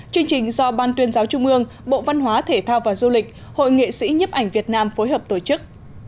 chương trình do ban tuyên giáo trung ương bộ văn hóa thể thao và du lịch hội nghệ sĩ nhấp ảnh việt nam phối hợp tổ chức